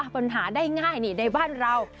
ปัญหาได้ง่ายนี่ในบ้านเรา